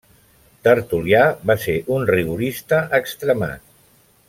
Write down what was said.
Tertulià va ser un rigorista extremat.